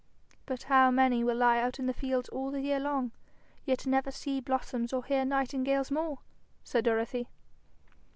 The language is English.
'But how many will lie out in the fields all the year long, yet never see blossoms or hear nightingales more!' said Dorothy.